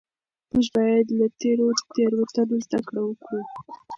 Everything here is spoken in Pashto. موږ باید له تیرو تېروتنو زده کړه وکړو.